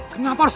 kenapa harus lu